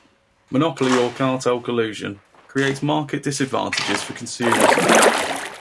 Monopoly or cartel collusion creates market disadvantages for consumers.